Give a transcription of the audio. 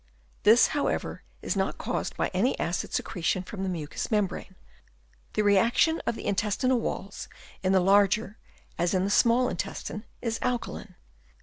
This, however, is not caused by any acid " secretion from the mucous membrane ; the " reaction of the intestinal walls in the larger " as in the small intestine is alkaline.